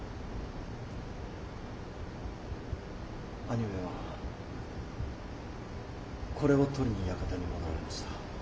兄上はこれを取りに館に戻られました。